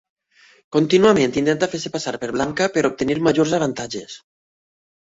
Contínuament intenta fer-se passar per blanca per obtenir majors avantatges.